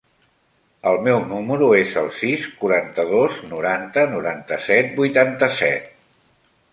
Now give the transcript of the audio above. El meu número es el sis, quaranta-dos, noranta, noranta-set, vuitanta-set.